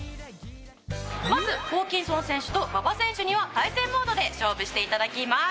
まずホーキンソン選手と馬場選手には対戦モードで勝負して頂きます。